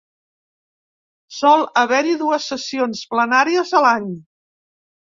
Sol haver-hi dues sessions plenàries a l'any.